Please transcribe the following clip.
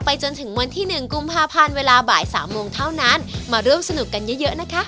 จนถึงวันที่๑กุมภาพันธ์เวลาบ่ายสามโมงเท่านั้นมาร่วมสนุกกันเยอะนะคะ